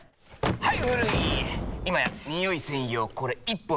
はい！